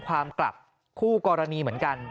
กลับคู่กรณีเหมือนกัน